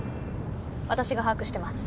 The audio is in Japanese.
私が把握してます